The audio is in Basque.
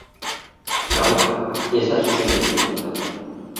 Gaur ez da zuzenekorik faltako.